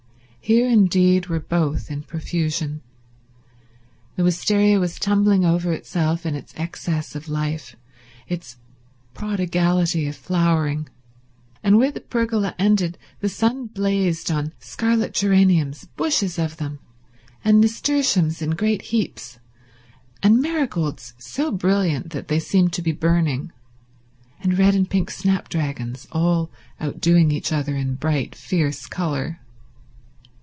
Here indeed were both in profusion. The wistaria was tumbling over itself in its excess of life, its prodigality of flowering; and where the pergola ended the sun blazed on scarlet geraniums, bushes of them, and nasturtiums in great heaps, and marigolds so brilliant that they seemed to be burning, and red and pink snapdragons, all outdoing each other in bright, fierce colour.